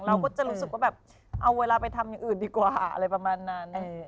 เราก็จะรู้สึกว่าแบบเอาเวลาไปทำอย่างอื่นดีกว่าอะไรประมาณนั้น